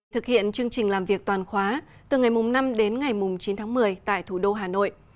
thực hiện chương trình làm việc toàn khóa từ ngày năm đến ngày chín tháng một mươi tại thủ đô hà nội